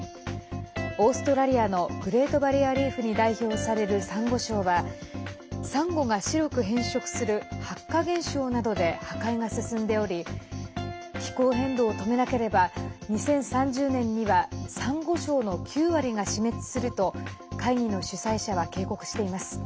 オーストラリアのグレートバリアリーフに代表される、さんご礁はさんごが白く変色する白化現象などで破壊が進んでおり気候変動を止めなければ２０３０年にはさんご礁の９割が死滅すると会議の主催者は警告しています。